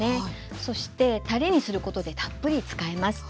そしてたれにすることでたっぷり使えます。